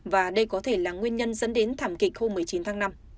và đây có thể là nguyên nhân dẫn đến thảm kịch hôm một mươi chín tháng năm